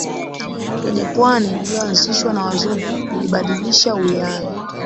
kwenye pwani lililoanzishwa na Wazungu lilibadilisha uwiano